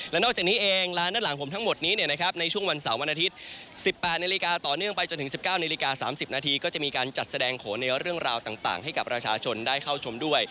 และนอกจากนี้เองร้านด้านหลังผมทั้งหมดนี้ในช่วงวันเสาร์วันอาทิตย์๑๘นาฬิกาต่อเนื่องไปจนถึง๑๙นาฬิกา๓๐นาทีก็จะมีการจัดแสดงโขนในเรื่องราวต่างให้กับประชาชนได้เข้าชมด้วย